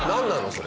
それ。